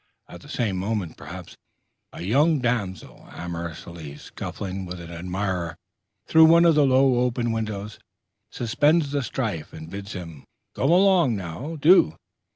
At the same moment, perhaps, a young damsel, amorously scuffling with an admirer through one of the low open windows, suspends the strife, and bids him, "Go along now, do!"